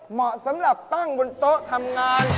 เหมาะสำหรับตั้งบนโต๊ะทำงาน